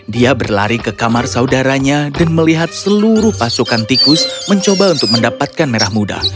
dia berlari ke kamar saudaranya dan melihat seluruh pasukan tikus mencoba untuk mendapatkan merah muda